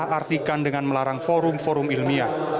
yang diartikan dengan melarang forum forum ilmiah